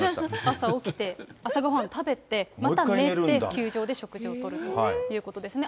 朝起きて、朝ごはん食べて、また寝て、球場で食事をとるということですね。